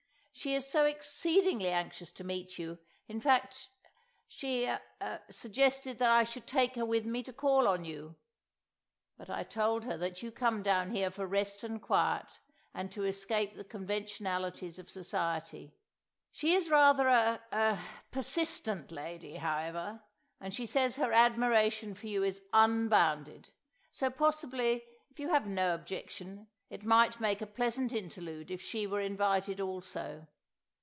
She is so exceedingly anxious to meet you; in fact, she—er—suggested that I should take her with me to call on you; but I told her that you come down here for rest and quiet, and to escape the conventionalities of society. She is rather a—er—persistent lady, however; and she says her admiration for you is unbounded. So possibly, if you have no objection, it might make a pleasant interlude if she were invited also."